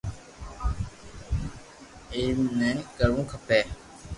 ايم ني ڪرووُ کپي